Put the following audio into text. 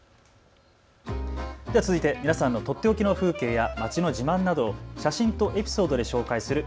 続いて皆さんのとっておきの風景や街の自慢などを写真とエピソードで紹介する＃